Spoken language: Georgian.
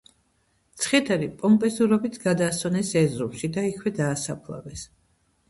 ცხედარი პომპეზურობით გადაასვენეს ერზრუმში და იქვე დაასაფლავეს.